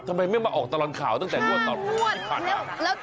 ทำไมไม่มาออกตลอดข่าวตั้งแต่งวันตอนห้างวดแล้วแล้วอุ๊ยอ้าแล้วดูอ้า